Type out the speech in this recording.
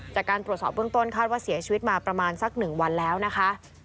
จากการตรวจสอบเบื้องต้นคาดว่าเสียชีวิตมาประมาณสัก๑วันแล้วนะคะ